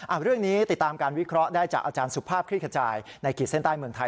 เรื่องนี้ติดตามการวิเคราะห์ได้จากอาจารย์สุภาพคลี่ขจายในขีดเส้นใต้เมืองไทย